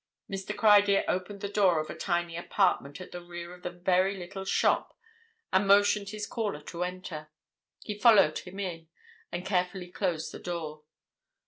Mr. Criedir opened the door of a tiny apartment at the rear of the very little shop and motioned his caller to enter. He followed him in and carefully closed the door.